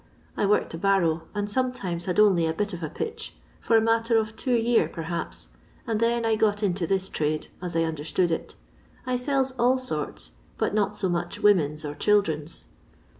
I worked a barrow, and sometimes had only a bit of a pitch, for a matter of two year, perhaps, and then I got into this trade, as I understood it. I sells all sorts, but not so much women's or children's.